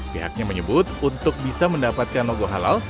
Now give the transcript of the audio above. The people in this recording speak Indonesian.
pihaknya menyebut untuk bisa mendapatkan logo halal